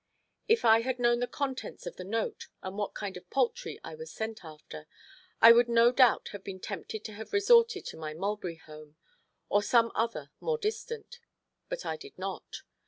If I had known the contents of the note, and what kind of poultry I was sent after, I would no doubt have been tempted to have resorted to my mulberry home, or some other more distant, but I did not.